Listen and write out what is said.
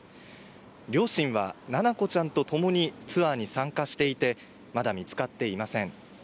両親は七菜子ちゃんと共にツアーに参加していてまだ見つかっていません。